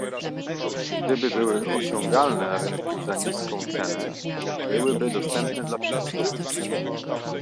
Gdyby były osiągalne na rynku za niską cenę, byłyby dostępne dla wszystkich